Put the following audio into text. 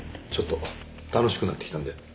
ちょっと楽しくなってきたんで。